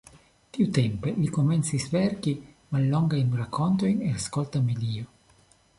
Tiutempe li komencis verki mallongajn rakontojn el skolta medio.